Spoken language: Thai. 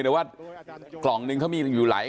แต่ว่ากล่องนึงก็มีอยู่หลายขวด